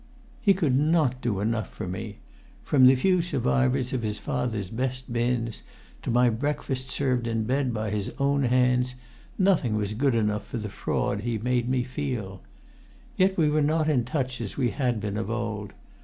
He could not do enough for me; from the few survivors of his father's best bins, to my breakfast served in bed by his own hands, nothing was good enough for the fraud he made me feel. Yet we were not in touch as we had been of old.